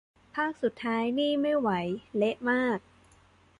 ภาคสุดท้ายนี่ไม่ไหว เละมาก